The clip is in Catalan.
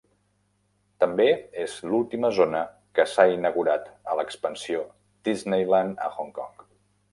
També és l'última zona que s'ha inaugurat a l'expansió de Disneyland a Hong Kong.